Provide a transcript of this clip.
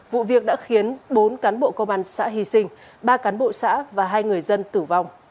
vụ việc đã khiến bốn cán bộ công an xã hy sinh ba cán bộ xã và hai người dân tử vong